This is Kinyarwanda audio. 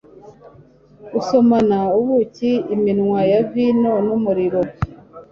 gusomana ubuki, iminwa ya vino n'umuriro